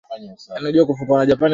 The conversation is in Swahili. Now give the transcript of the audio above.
hata shabiki anajitolea anampatia